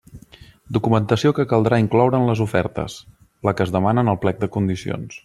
Documentació que caldrà incloure en les ofertes: la que es demana en el plec de condicions.